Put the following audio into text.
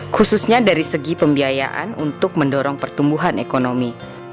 khususnya dari segi pembiayaan untuk mendorong pertumbuhan ekonomi